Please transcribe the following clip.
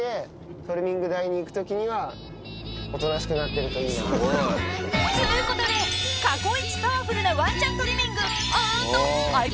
トリミング台に行くときにはおとなしくなってるといいな。ということで、過去イチパワフルなワンちゃんトリミング＆相葉